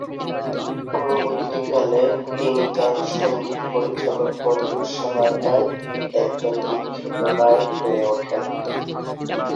পরবর্তীকালে, তিনি তার সংগীত পরিচালক বন্ধুর সহায়তায় একজন বিখ্যাত গায়ক হয়ে ওঠেন।